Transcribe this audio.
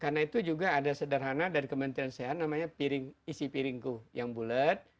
karena itu juga ada sederhana dari kementerian sehat namanya piring isi piringku yang bulet